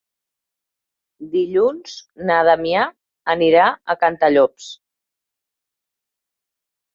Dilluns na Damià anirà a Cantallops.